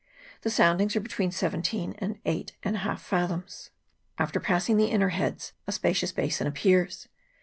The soundings are between seventeen and eight and a half fathoms. Alter passing the inner heads a spacious basin appears.